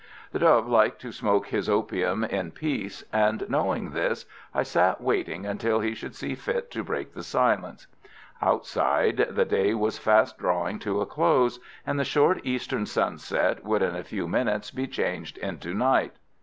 The Doy liked to smoke his opium in peace, and, knowing this, I sat waiting until he should see fit to break the silence. Outside, the day was fast drawing to a close, and the short eastern sunset would in a few minutes be changed into night.